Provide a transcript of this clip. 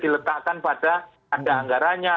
diletakkan pada ada anggaranya